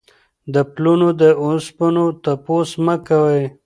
د پلونو د اوسپنو تپوس مه کوئ.